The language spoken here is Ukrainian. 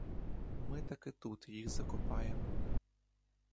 Ми таки тут їх закопаємо.